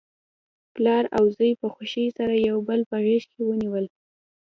پلار او زوی په خوښۍ سره یو بل په غیږ کې ونیول.